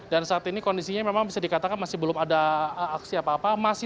dan saat ini kondisinya memang bisa dikatakan masih belum ada aksi apa apa